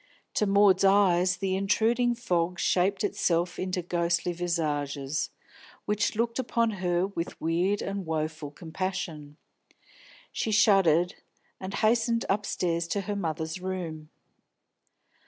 To Maud's eyes the intruding fog shaped itself into ghostly visages, which looked upon her with weird and woeful compassion. She shuddered, and hastened upstairs to her mother's room.